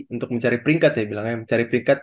untuk mencari peringkat ya bilangnya mencari peringkat